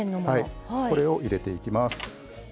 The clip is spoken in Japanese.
これを入れていきます。